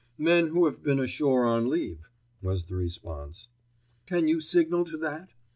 "Men who have been ashore on leave," was the response. "Can you signal to that?"